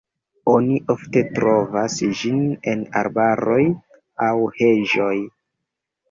Oni ofte trovas ĝin en arbaroj aŭ heĝoj.